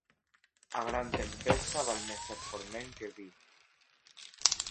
A gran tempesta val més ser forment que pi.